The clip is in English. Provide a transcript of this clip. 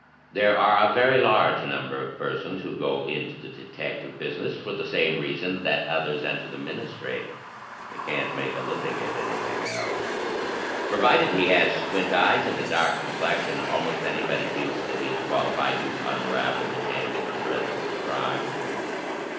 "There are a very large number of persons who go into the detective business for the same reason that others enter the ministry — they can't make a living at anything else. Pro vided he has squint eyes and a dark complexion, almost any body feels that he is qualified to imravel the tangled threads of crime.